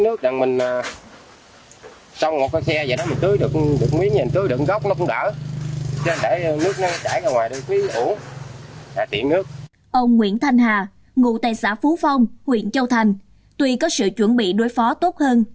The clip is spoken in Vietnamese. ông nguyễn thanh hà ngụ tại xã phú phong huyện châu thành tuy có sự chuẩn bị đối phó tốt hơn